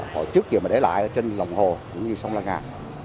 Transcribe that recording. hồi trước gì mà để lại trên lồng hồ cũng như sông lan ngạc